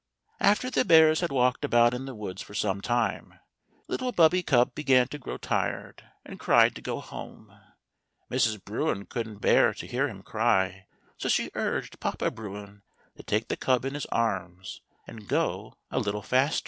After the bears had walked about in the woods for some time, little bubby cub began to grow tired, and cried to go home. Mrs. Bruin couldn't bear to hear him cry, so she urged Papa Bruin to take the cub in his arms and go a little faster.